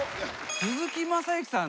鈴木雅之さん。